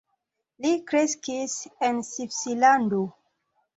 Li kreskis en Svislando.